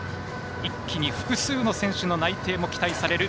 一気に複数の選手の内定も期待される